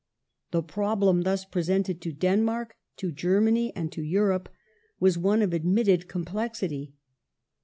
The problem thus presented to Denmark, to Germany, and to Europe was one of admitted com plexity.